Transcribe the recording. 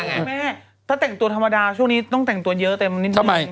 คุณแม่ถ้าแต่งตัวธรรมดาช่วงนี้ต้องแต่งตัวเยอะเต็มนิดหน่อย